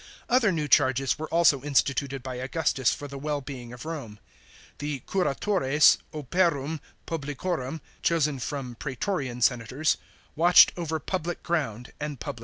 f Other new charges were also instituted by Augustus for the wellbeing of Rome. The curatores operum publicorum (chosen from prastorian senators) watched over public ground, and public buildings.